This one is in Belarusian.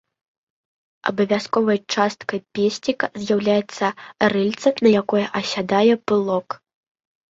Абавязковай часткай песціка з'яўляецца рыльца, на якое асядае пылок.